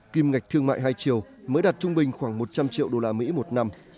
kim ngạch thương mại hai triều mới đạt trung bình khoảng một trăm linh triệu đô la mỹ một năm